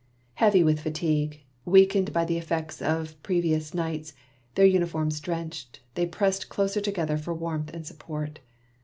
Heavy with fatigue, weakened by the effects of previous nights, their uniforms drenched, they pressed closer together for warmth and support.